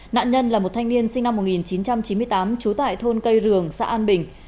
nạn nhân là một thanh niên sinh năm một nghìn chín trăm chín mươi tám trú tại thôn cây rường xã an bình